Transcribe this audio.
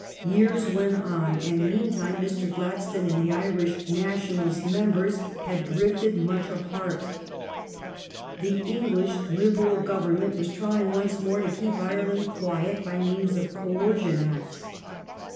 Years went on, and meantime Mr. Gladstone and the Irish NationaHst members had drifted much apart. The English Liberal Government was trying once again to keep Ireland quiet by means of coercion Acts.